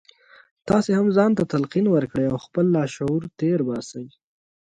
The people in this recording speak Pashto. تاسې هم ځان ته تلقين وکړئ او خپل لاشعور تېر باسئ.